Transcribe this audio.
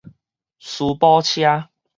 司捕車